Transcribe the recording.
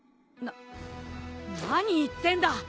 なっ何言ってんだ！